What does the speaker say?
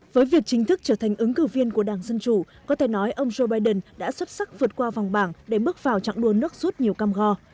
với việc chính thức trở thành ứng cử viên của đảng dân chủ có thể nói ông joe biden đã xuất sắc vượt qua vòng bảng để bước vào trạng đua nước rút nhiều cam go